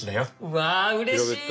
うわあうれしい！